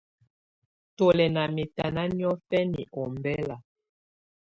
Tù lɛ̀ ná mɛtana niɔ̀fɛna ɔmbɛla.